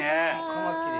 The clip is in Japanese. カマキリ。